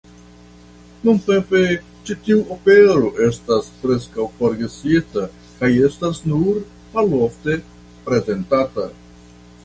Nuntempe ĉi tiu opero estas preskaŭ forgesita kaj estas nur malofte prezentata.